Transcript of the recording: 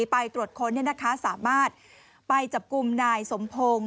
ไปตรวจค้นสามารถไปจับกลุ่มนายสมพงศ์